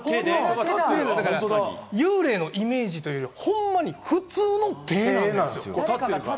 だから幽霊のイメージというよりも、ほんまに普通の手なんです。